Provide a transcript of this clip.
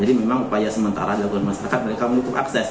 jadi memang upaya sementara laku masyarakat mereka menutup akses